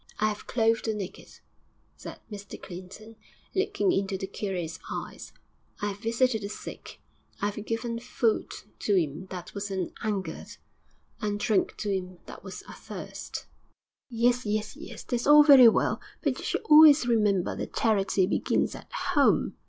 'I 'ave clothed the naked,' said Mr Clinton, looking into the curate's eyes; 'I 'ave visited the sick; I 'ave given food to 'im that was an 'ungered, and drink to 'im that was athirst.' 'Yes, yes, yes; that's all very well, but you should always remember that charity begins at home....